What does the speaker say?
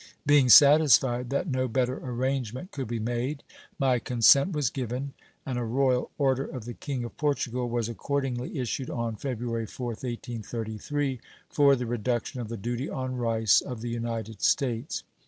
Being satisfied that no better arrangement could be made, my consent was given, and a royal order of the King of Portugal was accordingly issued on February 4th, 1833 for the reduction of the duty on rice of the United States.